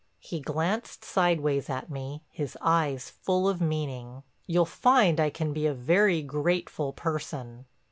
He glanced sideways at me, his eyes full of meaning. "You'll find I can be a very grateful person."